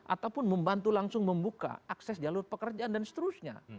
ataupun membantu langsung membuka akses jalur pekerjaan dan seterusnya